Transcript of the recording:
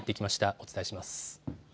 お伝えします。